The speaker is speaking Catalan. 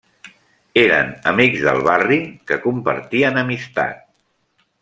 Eren amics del barri que compartien amistat.